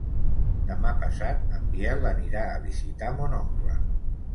Demà passat en Biel anirà a visitar mon oncle.